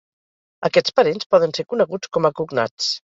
Aquests parents poden ser coneguts com a cognats.